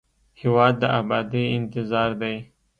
هېواد د ابادۍ انتظار دی.